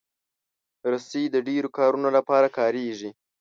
رسۍ د ډیرو کارونو لپاره کارېږي.